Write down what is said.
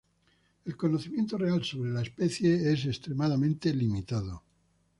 El conocimiento real sobre la especie es extremadamente limitado.